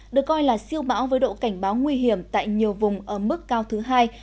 được coi là siêu bão với độ cảnh báo nguy hiểm tại nhiều vùng ở mức cao thứ hai